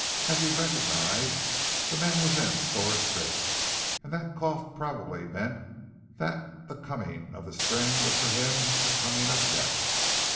As he recognized, the man was in sore straits, and that cough probably meant that the coming of the Spring was for him the coming of death.